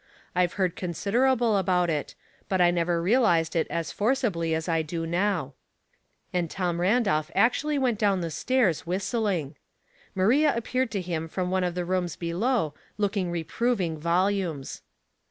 I've heard considerable about it, but I never realized it as forcibly as 1 do now," and Tom Randolph actually went down the stairs whistling ! IMaria appeared to him from one of the rooms below, looking re proving volumes.